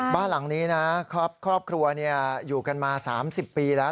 บ้านหลังนี้นะครอบครัวอยู่กันมา๓๐ปีแล้ว